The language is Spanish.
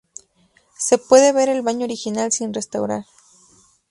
Se puede ver el baño original sin restaurar.